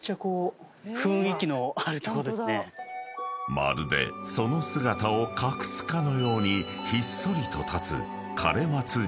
［まるでその姿を隠すかのようにひっそりと立つ］